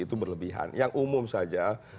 itu berlebihan yang umum saja